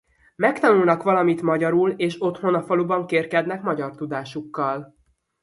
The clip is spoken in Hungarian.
Megtanulnak valamit magyarul és otthon a faluban kérkednek magyar tudásukkal.